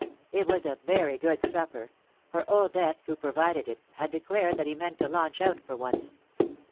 It was a very good supper; for Old Death, who provided it, had declared that he meant to launch out for once.